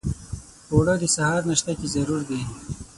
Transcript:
اوړه د سهار ناشته کې ضرور دي